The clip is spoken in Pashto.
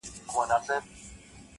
زما او جانان د زندګۍ خبره ورانه سوله,